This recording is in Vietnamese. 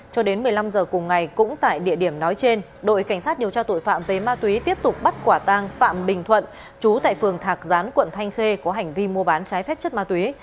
cho đến một mươi năm h cùng ngày cũng tại địa điểm nói trên đội cảnh sát điều tra tội phạm về ma túy tiếp tục bắt quả tang phạm bình thuận chú tại phường thạc gián quận thanh khê có hành vi mua bán trái phép chất ma túy